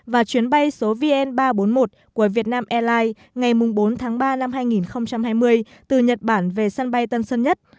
và chuyến bay số vn ba trăm bốn mươi một của việt nam airlines ngày bốn tháng ba năm hai nghìn hai mươi từ nhật bản về sân bay tân sơn nhất